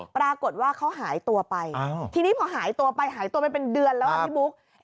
ปรากฏว่าเขาหายตัวไปทีนี้พอหายตัวไปหายตัวไปเป็นเดือนแล้วอ่ะพี่บุ๊ค